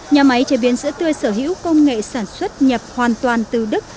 nhà máy chế biến sữa tươi sở hữu công nghệ sản xuất nhập hoàn toàn từ đức